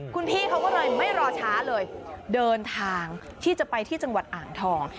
คุณพี่เขาก็เลยไม่รอช้าเลยเดินทางที่จะไปที่จังหวัดอ่างทอง